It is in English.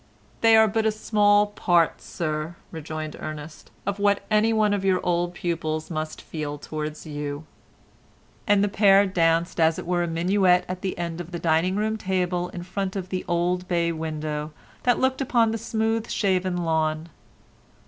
"They are but a small part, Sir," rejoined Ernest, "of what anyone of your old pupils must feel towards you," and the pair danced as it were a minuet at the end of the dining room table in front of the old bay window that looked upon the smooth shaven lawn.